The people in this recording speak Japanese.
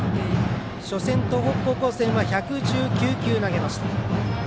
初戦、東北高校戦は１１９球投げました。